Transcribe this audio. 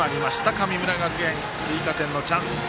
神村学園追加点のチャンス。